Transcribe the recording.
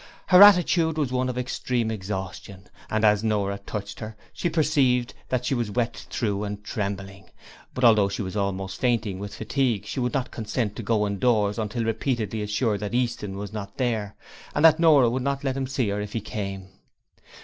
Her attitude was one of extreme exhaustion, and as Nora touched her, she perceived that she was wet through and trembling; but although she was almost fainting with fatigue she would not consent to go indoors until repeatedly assured that Easton was not there, and that Nora would not let him see her if he came.